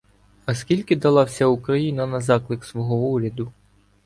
А скільки дала вся Україна на заклик свого уряду?